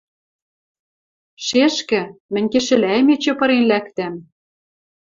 Шешкӹ, мӹнь кешӹлӓэм эче пырен лӓктӓм...